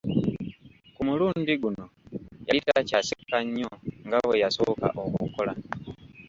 Ku mulundi guno yali takyaseka nnyo nga bwe yasooka okukola.